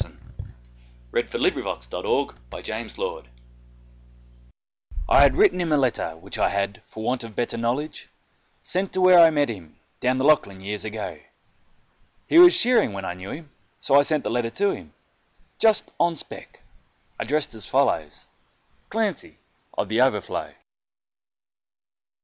Andrew Barton Paterson Clancy Of The Overflow I HAD written him a letter which I had, for want of better Knowledge, sent to where I met him down the Lachlan years ago; He was shearing when I knew him, so I sent the letter to him, Just on spec, addressed as follows, "Clancy, of The Overflow."